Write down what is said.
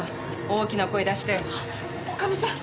大きな声出して女将さん